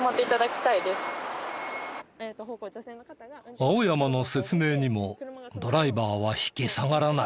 青山の説明にもドライバーは引き下がらない。